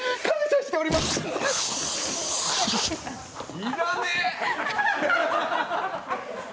要らねえ。